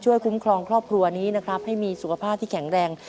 คุ้มครองครอบครัวนี้นะครับให้มีสุขภาพที่แข็งแรง